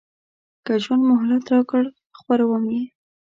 که ژوند مهلت راکړ خپروم یې.